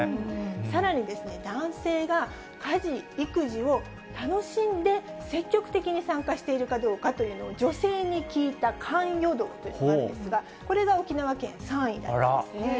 さらに、男性が家事・育児を楽しんで、積極的に参加しているかどうかというのを、女性に聞いた関与度というのがあるんですが、これが沖縄県、３位だったんですね。